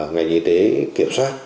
ngày y tế kiểm soát